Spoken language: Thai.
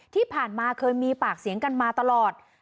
ที่ผ่านมาเคยมีปากเสียงกันมาตลอด